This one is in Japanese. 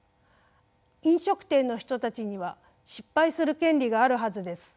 飲食店の人たちには失敗する権利があるはずです。